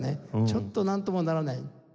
ちょっとなんともならない。